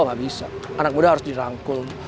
nggak bisa anak muda harus dirangkul